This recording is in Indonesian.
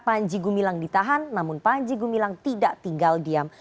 panji gumilang ditahan namun panji gumilang tidak tinggal diam